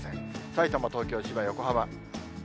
さいたま、東京、千葉、横浜。